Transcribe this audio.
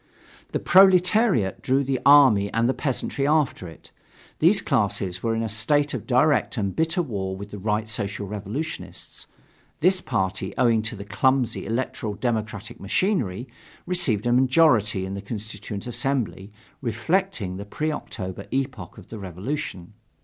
The proletariat drew the army and the peasantry after it. These classes were in a state of direct and bitter war with the Right Social Revolutionists. This party, owing to the clumsy electoral democratic machinery, received a majority in the Constituent Assembly, reflecting the pre October epoch of the revolution.